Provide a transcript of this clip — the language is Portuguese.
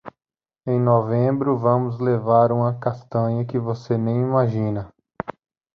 Em novembro, vamos levar uma castanha que você nem imagina.